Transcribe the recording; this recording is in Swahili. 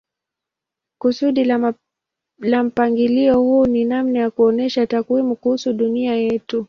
Kusudi la mpangilio huu ni namna ya kuonyesha takwimu kuhusu dunia yetu.